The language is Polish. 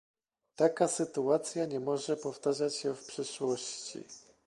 Taka sytuacja nie może powtarzać się w przyszłości